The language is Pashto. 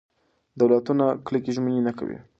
دولتونه کلکې ژمنې نه کوي.